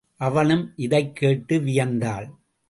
அவளும் இதைக் கேட்டு வியந்தாள்.